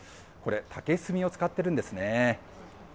これ、竹炭を使っているんですね。